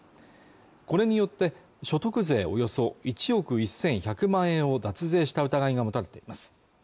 これによって所得税およそ１億１１００万円を脱税した疑いが持たれています